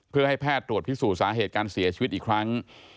เพื่อให้แพทย์ตรวจพิสูจน์สาเหตุการเสียชีวิตอีกครั้ง